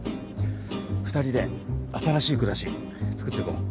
２人で新しい暮らし作っていこう。